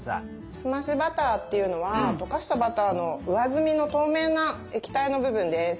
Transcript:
澄ましバターっていうのはとかしたバターの上澄みの透明な液体の部分です。